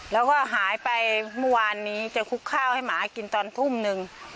แล้วก็หายไปเมื่อวานนี้จะคุกข้าวให้หมากินตอนทุ่มหนึ่ง